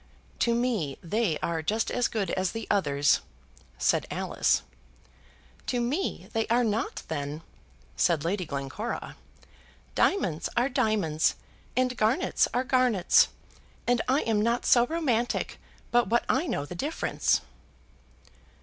"To me they are just as good as the others," said Alice. "To me they are not, then," said Lady Glencora. "Diamonds are diamonds, and garnets are garnets; and I am not so romantic but what I know the difference."